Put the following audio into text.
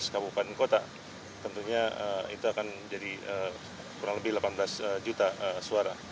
tujuh belas kabupaten kota tentunya itu akan jadi kurang lebih delapan belas juta suara